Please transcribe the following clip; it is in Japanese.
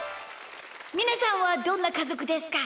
みなさんはどんなかぞくですか？